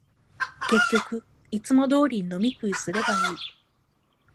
結局、いつも通りに飲み食いすればいい